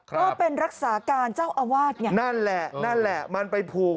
ก็เป็นรักษาการเจ้าอาวาสไงนั่นแหละนั่นแหละมันไปผูก